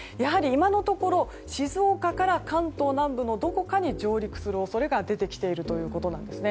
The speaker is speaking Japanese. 今のところ静岡から関東南部のどこかに上陸する恐れが出てきているということです。